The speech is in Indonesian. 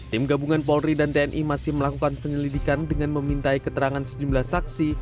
tim gabungan polri dan tni masih melakukan penyelidikan dengan memintai keterangan sejumlah saksi